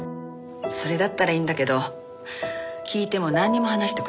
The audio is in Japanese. それだったらいいんだけど聞いてもなんにも話してくれないし。